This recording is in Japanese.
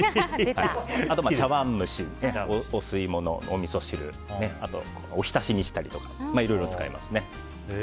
あとは茶わん蒸し、お吸い物おみそ汁、おひたしにしたりとかいろいろ使いますね。